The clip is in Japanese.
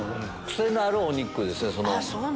癖のあるお肉ですね。